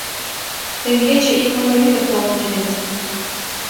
Теҥгече ик мотор ӱдыр толын ыле вет?!